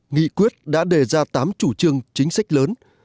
nghị quyết đã đề ra tám chủ trương chính sách lớn